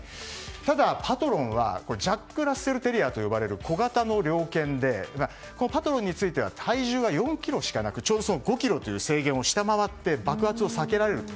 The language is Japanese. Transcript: ただ、パトロンはジャックラッセルテリアと呼ぶ小型の猟犬でしてパトロンについては体重が４ｋｇしかなく、ちょうど５ｋｇという制限を下回って爆発を避けられると。